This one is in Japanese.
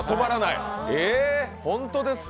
本当ですか？